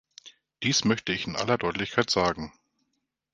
Dies möchte ich in aller Deutlichkeit sagen.